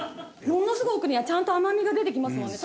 ものすごい奥にはちゃんと甘みが出てきますもんね。